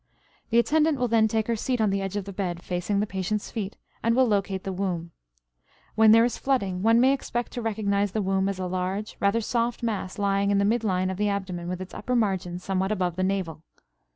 The attendant will then take her seat on the edge of the bed, facing the patient's feet, and will locate the womb. When there is flooding one may expect to recognize the womb as a large, rather soft mass lying in the mid line of the abdomen with its upper margin somewhat above the navel.